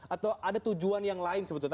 atau ada tujuan yang lain sebetulnya